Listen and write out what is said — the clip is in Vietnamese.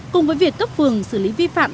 cùng với việc cấp phường xử lý vi phạm